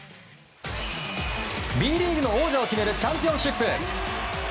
Ｂリーグの王者を決めるチャンピオンシップ。